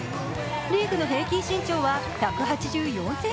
リーグの平均身長は１８４ｃｍ。